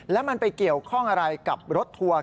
แล้วมันไปเกี่ยวข้องอะไรกับรถทัวร์